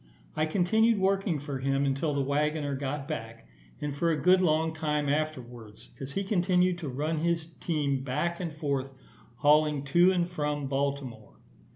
I continued working for him until the waggoner got back, and for a good long time afterwards, as he continued to run his team back and forward, hauling to and from Baltimore.